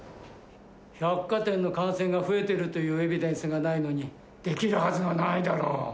百貨店の感染が増えているというエビデンスがないのに、できるはずがないだろう。